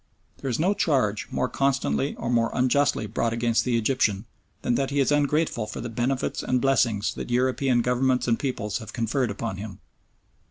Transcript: There is no charge more constantly or more unjustly brought against the Egyptian than that he is ungrateful for the benefits and blessings that European Governments and peoples have conferred upon him.